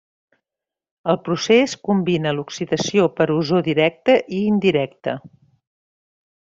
El procés combina l'oxidació per ozó directa i indirecta.